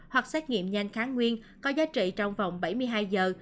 hoặc xét nghiệm nhanh kháng nguyên có giá trị trong vòng bảy mươi hai giờ